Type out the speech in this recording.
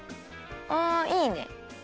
あいいね！